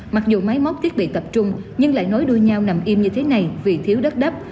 mặc dù máy móc thiết bị tập trung nhưng lại nối đuôi nhau nằm im như thế này vì thiếu đất đắp